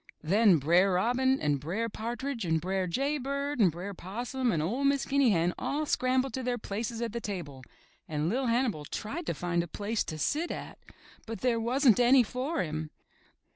Then Br*er Robin and Br*er Partridge and Br'er Jay Bird and Br'er Possum and 01' Miss Guinea Hen all scrambled to their places at the table and LiT Hannibal tried to find a place to sit at, but there wasn't any for him.